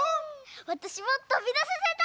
わたしもとびださせたい！